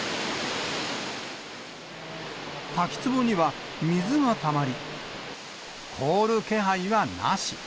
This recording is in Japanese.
滝つぼには水がたまり、凍る気配はなし。